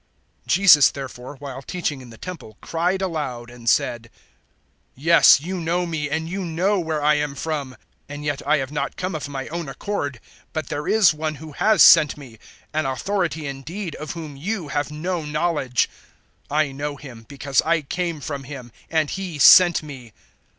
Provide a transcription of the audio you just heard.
007:028 Jesus therefore, while teaching in the Temple, cried aloud, and said, "Yes, you know me, and you know where I am from. And yet I have not come of my own accord; but there is One who has sent me, an Authority indeed, of whom you have no knowledge. 007:029 I know Him, because I came from Him, and He sent me."